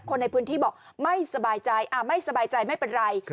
คนในพื้นที่บอกไม่สบายใจไม่สบายใจไม่เป็นไร